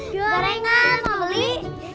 berapa banyak caminho ini